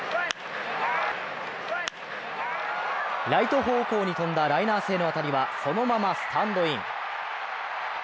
ライト方向に飛んだライナー性の当たりはそのままスタンドイン。